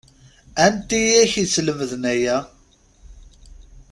Anti i k-yeslemden aya?